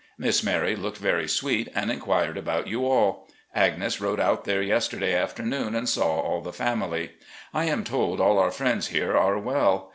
Miss Mary looked very sweet, and inquired about you all. Agnes rode out there yesterday afternoon and saw all the family. I am told all our friends here are well.